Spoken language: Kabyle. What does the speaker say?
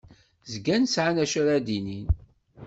Zgan sɛan acu ara d-inin.